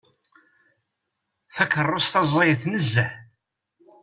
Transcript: Takeṛṛust-a ẓẓayet nezzeh.